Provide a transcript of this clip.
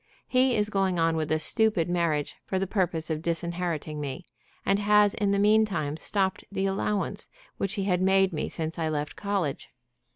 He is going on with a stupid marriage for the purpose of disinheriting me, and has in the mean time stopped the allowance which he had made me since I left college.